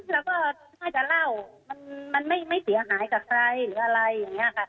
แล้วก็ถ้าจะเล่ามันไม่เสียหายกับใครหรืออะไรอย่างนี้ค่ะ